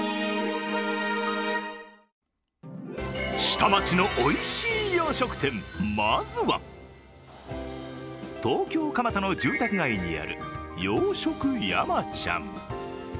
下町のおいしい洋食店、まずは東京・蒲田の住宅街にある洋食やまちゃん。